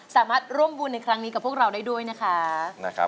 สามารถร่วมบุญในครั้งนี้กับพวกเราได้ด้วยนะคะ